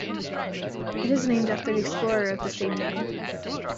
It is named after the explorer of the same name.